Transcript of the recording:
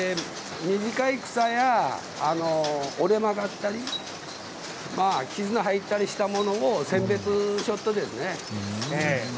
短い草や折れ曲がったり傷が入ったりしたものを選別しよっとですね。